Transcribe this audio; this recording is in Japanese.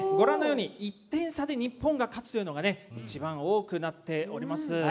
１点差で日本が勝つというのが一番多くなっております。